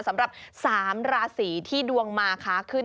สำหรับ๓ราศีที่ดวงมาค้าขึ้น